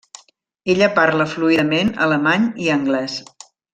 Ella parla fluidament alemany i anglès.